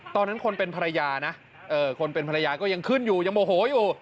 ตอนนั้นคนเป็นภรรยานะคนเป็นภรรยาก็ยังขึ้นอยู่ยังโมโหอยู่